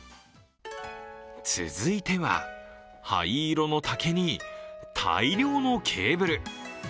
続いては、灰色の竹に大量のケーブル。